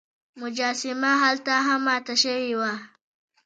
مجسمه هلته هم ماته شوې وه.